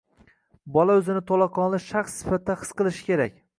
Bola o‘zini to‘laqonli shaxs sifatida his qilishi kerak